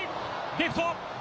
レフト。